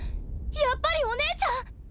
やっぱりお姉ちゃん！